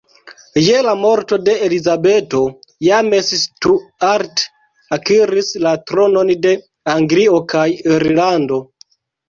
Je la morto de Elizabeto, James Stuart akiris la tronon de Anglio kaj Irlando.